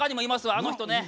あの人ね。